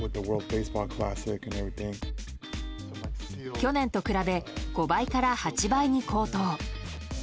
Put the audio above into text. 去年と比べ５倍から８倍に高騰。